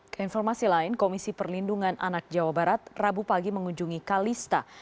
keinformasi lain komisi perlindungan anak jawa barat rabu pagi mengunjungi kalista